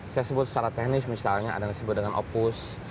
saya sebut secara teknis misalnya ada yang disebut dengan opus